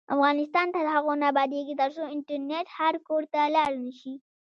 افغانستان تر هغو نه ابادیږي، ترڅو انټرنیټ هر کور ته لاړ نشي.